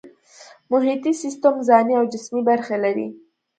محیطي سیستم ځانی او جسمي برخې لري